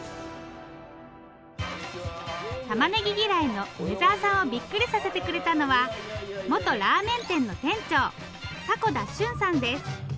たまねぎ嫌いの梅沢さんをびっくりさせてくれたのは元ラーメン店の店長迫田瞬さんです